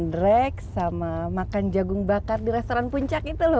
papa sama mama tuh gak ada luka yang parah gitu